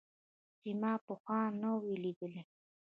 چې ما پخوا نه و ليدلى.